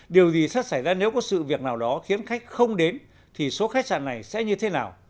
điều gì sẽ xảy ra nếu có sự việc nào đó khiến khách không đến thì số khách sạn này sẽ như thế nào